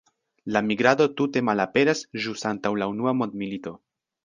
La migrado tute malaperas ĵus antaŭ la Unua mondmilito.